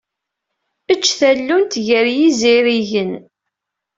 Eǧǧ tallunt gar yizirigen.